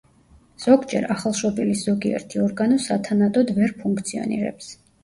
ზოგჯერ ახალშობილის ზოგიერთი ორგანო სათანადოდ ვერ ფუნქციონირებს.